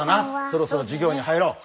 そろそろ授業に入ろう。